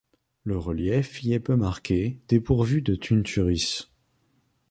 Le relief y est peu marqué, dépourvu de tunturis.